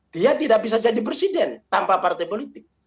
dia tidak bisa jadi presiden tanpa partai politik